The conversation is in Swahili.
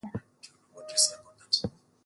kuchukuwa uamuzi haraka kuliko hizo nchi zingi